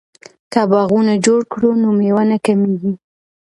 که باغونه جوړ کړو نو میوه نه کمیږي.